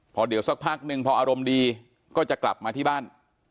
พอเดี๋ยวสักพักนึงพออารมณ์ดีก็จะกลับมาที่บ้าน